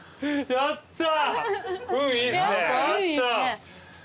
やった。